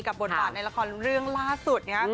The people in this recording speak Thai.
กับบทปัดในละครเรื่องล่าสุด